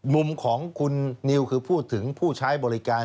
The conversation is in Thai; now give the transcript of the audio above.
มุมของคุณนิวคือพูดถึงผู้ใช้บริการ